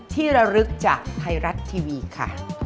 ที่ระลึกจากไทยรัฐทีวีค่ะ